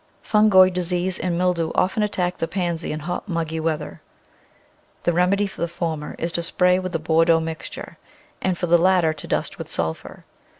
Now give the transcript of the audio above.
Fungoid disease and mildew often attack the Pansy in hot, muggy weather. The remedy for the former is to spray with the Bordeaux mixture, and for the lat ter to dust with sulphur.